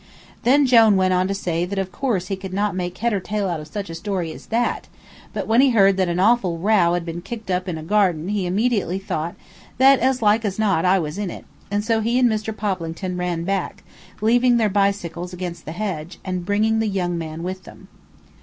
Then Jone went on to say that of course he could not make head or tail out of such a story as that, but when he heard that an awful row had been kicked up in a garden he immediately thought that as like as not I was in it, and so he and Mr. Poplington ran back, leaving their bicycles against the hedge, and bringing the young man with them.